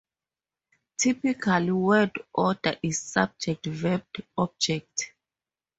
Typical word order is subject-verb-object.